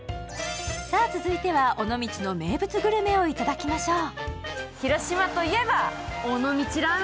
続いては尾道の名物グルメをいただきましょう。